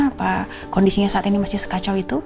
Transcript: apa kondisinya saat ini masih sekacau itu